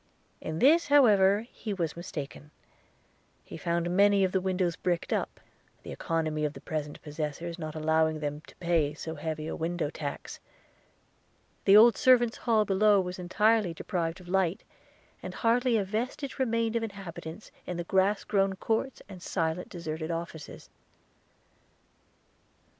– In this, however, he was mistaken: he found many of the windows bricked up, the economy of the present possessors not allowing them to pay so heavy a window tax: the old servants hall below was entirely deprived of light; and hardly a vestige remained of inhabitants, in the grass grown courts and silent deserted offices.